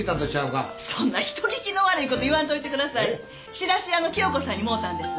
仕出屋の清子さんにもろうたんです。